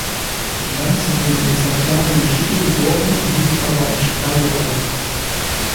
Sanz wurde in Santiago de Chile geboren, wuchs aber in Chicago auf.